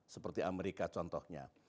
seperti amerika contohnya